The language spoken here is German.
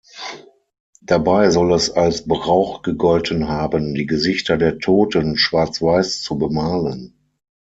Dabei soll es als Brauch gegolten haben, die Gesichter der Toten schwarz-weiß zu bemalen.